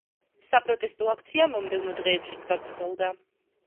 საპროტესტო აქცია მომდევნო დღეებშიც გაგრძელდა.